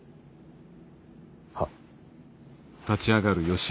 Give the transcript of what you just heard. はっ。